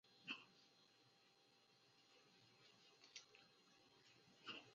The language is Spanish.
Su situación actual, desmontado en tres alturas, permite apreciar con mayor detalle el conjunto.